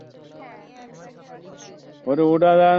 আশা এবার আর দ্বিধামাত্র করিল না।